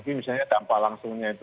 misalnya dampak langsungnya itu